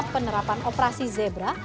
sama penerapan operasi zebra